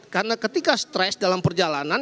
karena ketika stres dalam perjalanan